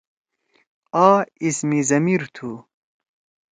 آ“ اسم ضمیر تُھو۔